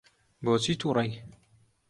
بۆچی تووڕەی؟